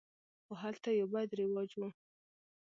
خو هلته یو بد رواج و.